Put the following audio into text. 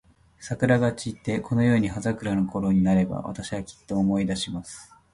桜が散って、このように葉桜のころになれば、私は、きっと思い出します。